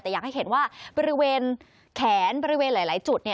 แต่อยากให้เห็นว่าบริเวณแขนบริเวณหลายจุด